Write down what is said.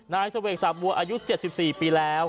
นายเสลิมอีก๑๓วันอายุ๗๔ปีแล้ว